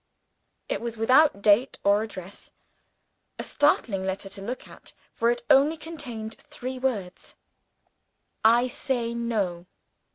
It was without date or address; a startling letter to look at for it only contained three words: "I say No."